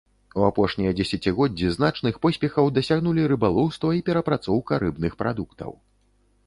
У апошнія дзесяцігоддзі значных поспехаў дасягнулі рыбалоўства і перапрацоўка рыбных прадуктаў.